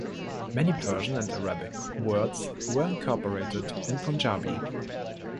Many Persian and Arabic words were incorporated in Punjabi.